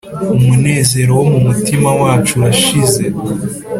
Umunezero wo mu mutima wacu urashize,